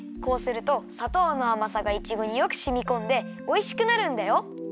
こうするとさとうのあまさがいちごによくしみこんでおいしくなるんだよ。